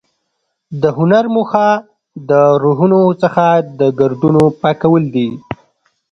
د هنر موخه د روحونو څخه د ګردونو پاکول دي.